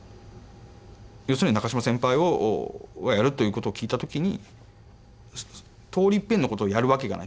要するに中島先輩がやるということを聞いた時に通りいっぺんのことをやるわけがない。